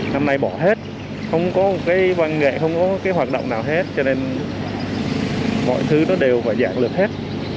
năm nay bỏ hết không có một cái văn nghệ không có cái hoạt động nào hết cho nên mọi thứ nó đều và dạng lược hết